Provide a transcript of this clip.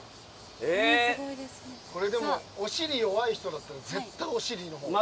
でもお尻弱い人だったら絶対お尻のほう。